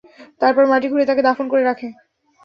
তারপর মাটি খুঁড়ে তাকে দাফন করে রাখে।